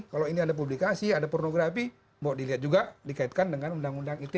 kalau ini ada publikasi ada pornografi mau dilihat juga dikaitkan dengan undang undang ite